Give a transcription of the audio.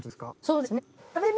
そうですね。